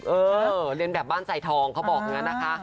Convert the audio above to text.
เออเรียนแบบบ้านไซทองเขาบอกอย่างนั้นนะคะ